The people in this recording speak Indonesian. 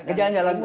kerjaan jalan terus